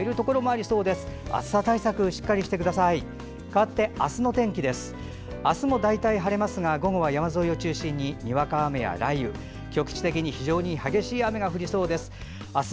あすも大体晴れますが午後は山沿いを中心ににわか雨や雷雨局地的に非常に激しい雨が降りそうです。